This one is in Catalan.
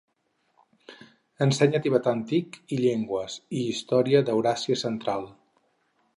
Ensenya tibetà antic i llengües i història d'Euràsia Central.